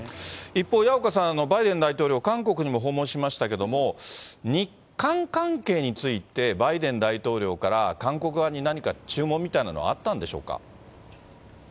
一方、矢岡さん、バイデン大統領、韓国にも訪問しましたけれども、日韓関係についてバイデン大統領から韓国側に何か注文みたいなのはあったんでしょうか。